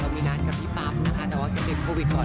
เรามีนานกับพี่ปั๊บนะคะแต่ว่าจะเก็บโควิดก่อน